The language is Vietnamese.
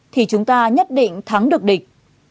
thì chúng ta nhất định thắng được địch